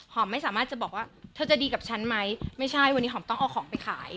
ไม่สามารถจะบอกว่าเธอจะดีกับฉันไหมไม่ใช่วันนี้หอมต้องเอาของไปขาย